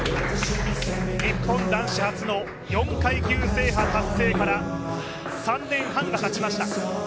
日本男子初の４階級制覇達成から３年半がたちました。